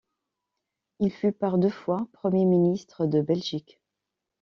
Il fut par deux fois premier ministre de Belgique.